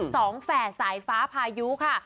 สองแฝ่สายฟ้าพายุค่ะ